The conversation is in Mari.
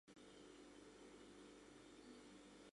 Шем мончан шокшыжо кужун ок кучалт, вашке йӱкша.